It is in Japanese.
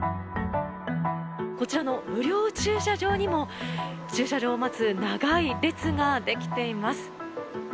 こちらの無料駐車場にも駐車場を待つ長い列ができています。